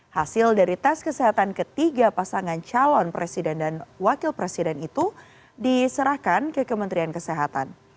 hasil dari tes kesehatan ketiga pasangan calon presiden dan wakil presiden itu diserahkan ke kementerian kesehatan